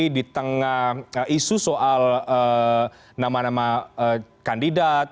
jadi di tengah isu soal nama nama kandidat